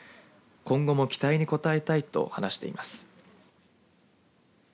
今後も期待に応えたいと話しています。